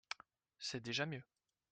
C’est déjà mieux